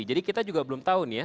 jadi kita juga belum tahu nih ya